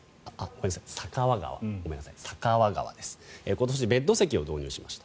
今年、ベッド席を導入しました。